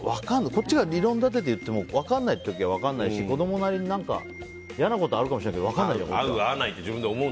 こっちが理論立てて言っても分からない時は分からないし子どもなりにいやなことあるかもしれないけど分からないじゃん。